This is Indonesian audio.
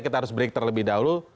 kita harus break terlebih dahulu